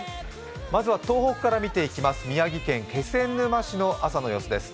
まずは東北から見ていきます、宮城県気仙沼市です。